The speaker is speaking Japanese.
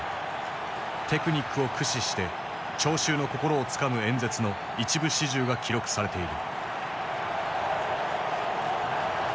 テクニックを駆使して聴衆の心をつかむ演説の一部始終が記録されている。